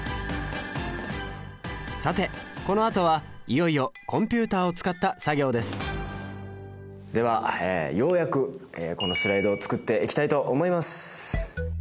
さてこのあとはいよいよコンピュータを使った作業ですではようやくこのスライドを作っていきたいと思います！